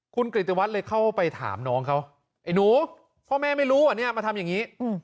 คุณกริตวัตรเลยเข้าไปถามน้องเขาไอ้หนูพ่อแม่ไม่รู้อ่ะเนี่ยมาทำอย่างนี้